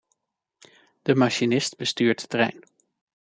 De machinist bestuurt de trein.